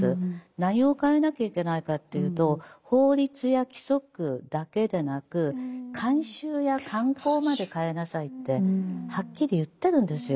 何を変えなきゃいけないかというと法律や規則だけでなく慣習や慣行まで変えなさいってはっきり言ってるんですよ。